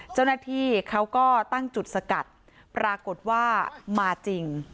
เจ้าหน้าที่เขาก็ตั้งจุดสกัดปรากฏว่ามาจริง